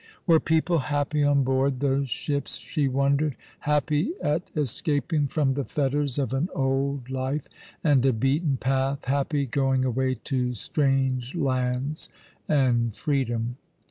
Were people happy on board those ships, she wondered, happy at escaping from the fetters of an old life and a beaten path, happy going away to strange lands and freedom